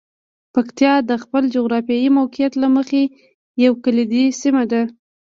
پکتیا د خپل جغرافیايي موقعیت له مخې یوه کلیدي سیمه ده.